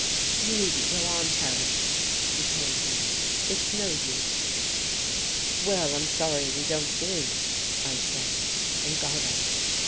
"You needn't go on, Paret," he told me. "It's no use." "Well, I'm sorry we don't agree," I said, and got up.